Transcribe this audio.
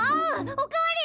お代わり！